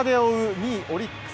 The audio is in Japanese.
２位オリックス。